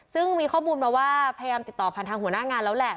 ซึ่งมีข้อมูลมาว่าพยายามติดต่อผ่านทางหัวหน้างานแล้วแหละ